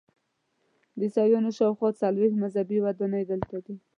د عیسویانو شاخوا څلویښت مذهبي ودانۍ دلته دي.